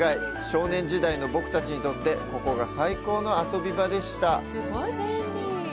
少年時代の僕たちにとって、ここが最高の遊び場でした。